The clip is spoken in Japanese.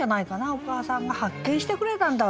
「お母さんが発見してくれたんだ